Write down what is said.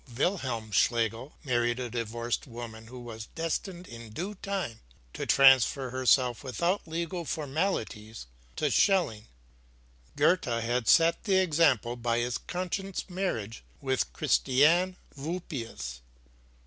Wilhelm Schlegel married a divorced woman who was destined in due time to transfer herself without legal formalities to Schelling. Goethe had set the example by his conscience marriage with Christiane Vulpius.